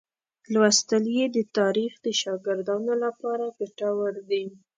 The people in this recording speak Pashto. لوستل یې د تاریخ د شاګردانو لپاره ګټور دي.